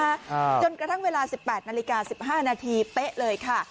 อ่าจนกระทั่งเวลาสิบแปดนาฬิกาสิบห้านาทีเป๊ะเลยค่ะ